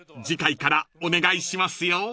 次回からお願いしますよ］